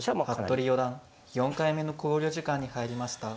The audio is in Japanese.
服部四段４回目の考慮時間に入りました。